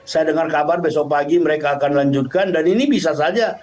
saya dengar kabar besok pagi mereka akan lanjutkan dan ini bisa saja